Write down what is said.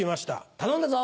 頼んだぞ！